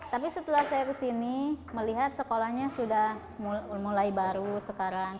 tapi setelah saya kesini melihat sekolahnya sudah mulai baru sekarang